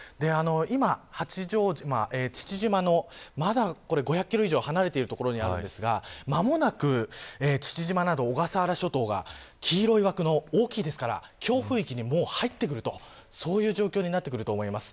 今、八丈島、父島のまだ５００キロ以上離れている所にあるんですが間もなく、父島など小笠原諸島が黄色い枠の大きいですから強風域に入ってくるという状況になってくると思います。